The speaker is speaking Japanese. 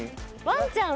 ワンちゃん。